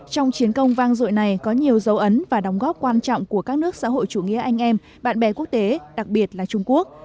trong chiến công vang dội này có nhiều dấu ấn và đóng góp quan trọng của các nước xã hội chủ nghĩa anh em bạn bè quốc tế đặc biệt là trung quốc